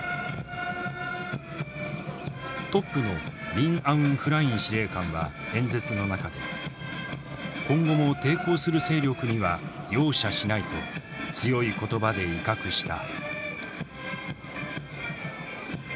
トップのミン・アウン・フライン司令官は演説の中で今後も抵抗する勢力には容赦しないと強い言葉で威嚇した。